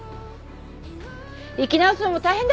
生き直すのも大変だ。